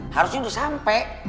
harusnya udah sampe